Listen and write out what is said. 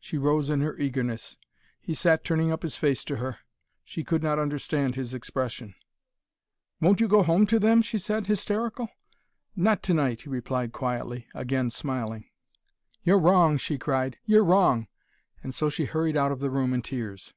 She rose in her eagerness. He sat turning up his face to her. She could not understand his expression. "Won't you go home to them?" she said, hysterical. "Not tonight," he replied quietly, again smiling. "You're wrong!" she cried. "You're wrong!" And so she hurried out of the room in tears.